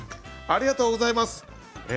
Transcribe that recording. ありがとうございます。